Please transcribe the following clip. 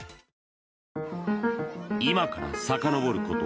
今からさかのぼること